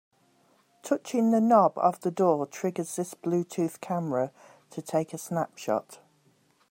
Touching the knob of the door triggers this Bluetooth camera to take a snapshot.